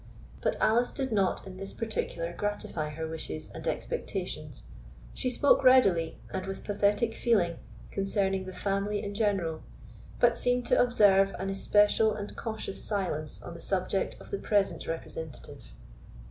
But Alice did not in this particular gratify her wishes and expectations. She spoke readily, and with pathetic feeling, concerning the family in general, but seemed to observe an especial and cautious silence on the subject of the present representative.